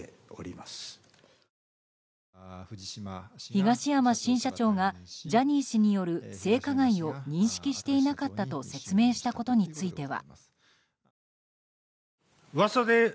東山新社長がジャニー氏による性加害を認識していなかったと説明したことについては。